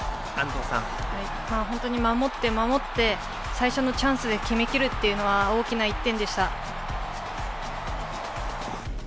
本当に守って守って最初のチャンスで決めきるのは大きな１点でした。